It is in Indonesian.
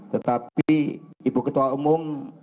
tetapi ibu ketua umum